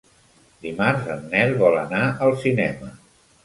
Dimarts en Nel vol anar al cinema.